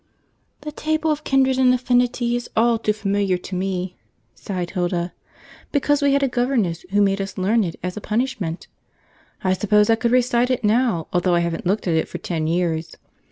"The Table of Kindred and Affinity is all too familiar to me," sighed Hilda, "because we had a governess who made us learn it as a punishment. I suppose I could recite it now, although I haven't looked at it for ten years.